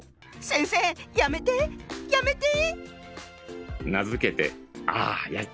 先生やめてやめて！